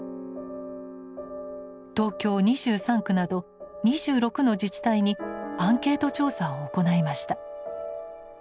東京２３区など２６の自治体にアンケート調査を行いました。